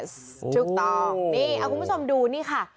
ถูกต้องนี่เอาคุณผู้ชมดูนี่ค่ะ